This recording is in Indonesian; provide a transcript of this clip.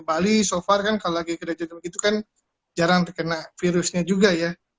bali sejauh ini kan kalau lagi kerajaan begitu kan jarang terkena virusnya juga ya